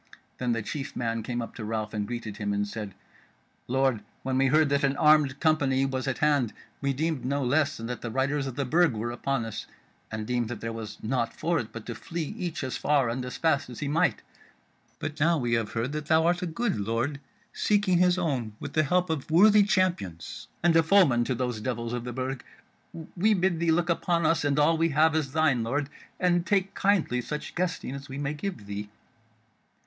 Then the chief man came up to Ralph and greeted him and said: "Lord, when we heard that an armed company was at hand we deemed no less than that the riders of the Burg were upon us, and deemed that there was nought for it but to flee each as far and as fast as he might. But now we have heard that thou art a good lord seeking his own with the help of worthy champions, and a foeman to those devils of the Burg, we bid thee look upon us and all we have as thine, lord, and take kindly such guesting as we may give thee."